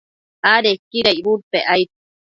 adequida icbudpec aid